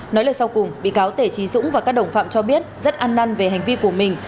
nói lời sau cùng bị cáo tể trí dũng và các đồng phạm cho biết rất ăn năn về hành vi của mình